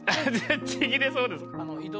ちぎれそうです。